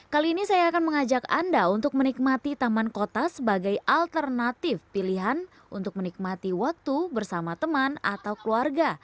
kali ini saya akan mengajak anda untuk menikmati taman kota sebagai alternatif pilihan untuk menikmati waktu bersama teman atau keluarga